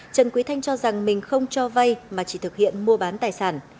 trần quý thanh cho rằng mình không cho vay mà chỉ thực hiện mua bán tài sản